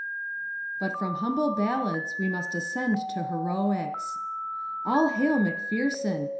But from humble ballads we must ascend to heroics. All hail, Macpherson!